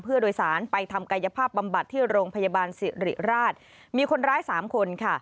เพื่อโดยสารไปทำกายภาพบำบัดที่โรงพยาบาลสิริราชมีคนร้ายสามคนค่ะ